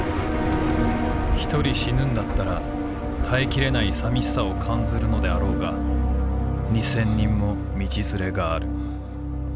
一人死ぬんだったら堪え切れないさみしさを感ずるのであろうが二千人も道連れがある。